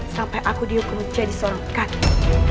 sampai aku dihukum menjadi seorang kakek